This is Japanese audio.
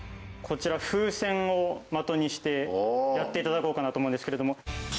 こちら風船を的にしてやっていただこうかなと思うんですけれども。